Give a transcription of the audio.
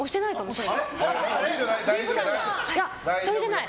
それじゃない！